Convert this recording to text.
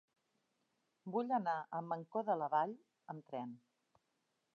Vull anar a Mancor de la Vall amb tren.